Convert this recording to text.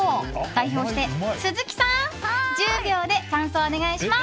代表して、鈴木さん１０秒で感想をお願いします。